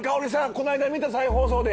この間見た再放送で。